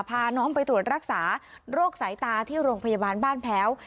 พาน้องไปตรวจรักษาโรคสายตาที่โรงพยาบาลบ้านแพ้ว